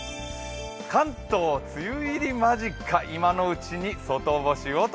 関東、梅雨入り間近今のうちに外干しを。